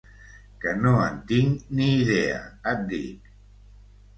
Que no en tinc ni idea et dic!